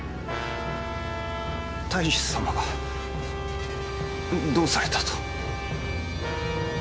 太守様がどうされたと？